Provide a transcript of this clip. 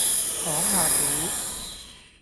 講下股